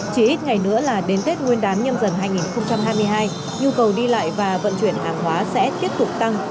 chỉ ít ngày nữa là đến tết nguyên đán nhâm dần hai nghìn hai mươi hai nhu cầu đi lại và vận chuyển hàng hóa sẽ tiếp tục tăng